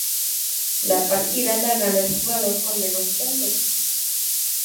La partida la gana el jugador con menos puntos.